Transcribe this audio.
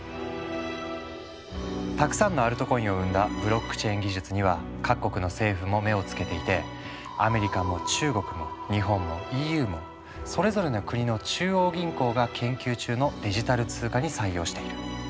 たくさんのアルトコインを生んだブロックチェーン技術には各国の政府も目を付けていてアメリカも中国も日本もＥＵもそれぞれの国の中央銀行が研究中のデジタル通貨に採用している。